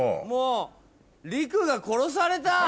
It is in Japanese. もうリクが殺された！